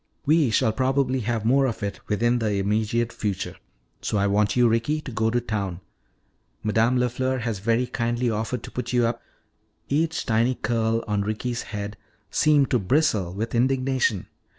We shall probably have more of it within the immediate future. So I want you, Ricky, to go to town. Madame LeFleur has very kindly offered to put you up " Each tiny curl on Ricky's head seemed to bristle with indignation.